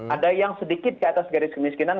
ada yang sedikit ke atas garis kemiskinan